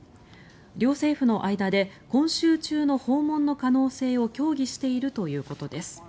両政府の間で今週中の訪問の可能性を協議しているということです。